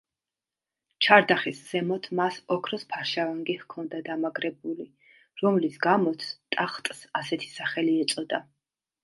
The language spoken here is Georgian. ჩარდახის ზემოთ მას ოქროს ფარშავანგი ჰქონდა დამაგრებული, რომლის გამოც ტახტს ასეთი სახელი ეწოდა.